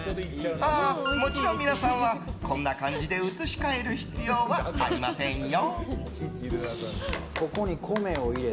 もちろん、皆さんはこんな感じで移し替える必要はありませんよ。